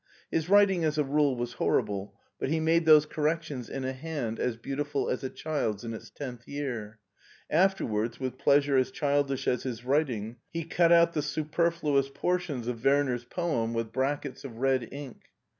His writing as a rule was horrible, but he made those corrections in a hand as beautiful as a child's in its tenth year. After wards, with pleasure as childish as bis writing, he cut out the superfluous portions of Werner's poem with brackets of red ink.